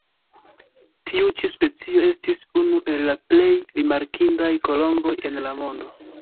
Tiu ĉi specio estis unu el la plej rimarkindaj kolomboj en la mondo.